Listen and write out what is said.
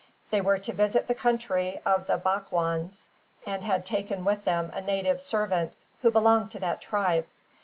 They were to visit the country of the Bakwains, and had taken with them a native servant who belonged to that tribe.